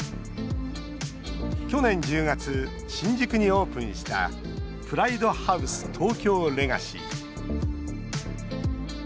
去年１０月、新宿にオープンしたプライドハウス東京レガシー。